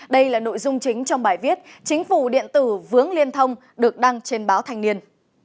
đây là nội dung chính trong bài viết chính phủ điện tử vướng liên thông được đăng trên báo thanh niên